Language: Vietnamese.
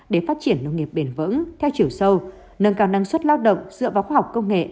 để phát triển nông nghiệp bền vững theo chiều sâu nâng cao năng suất lao động dựa vào khoa học công nghệ